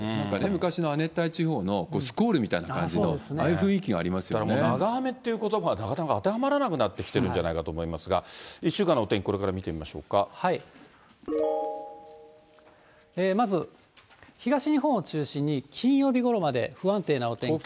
昔の亜熱帯地方のスコールみたいな感じの、ああいう雰囲気がだから、もう長雨っていうことばが、なかなか当てはまらなくなってきてるんですが、１週間のお天気、まず、東日本を中心に、金曜日ごろまで不安定なお天気。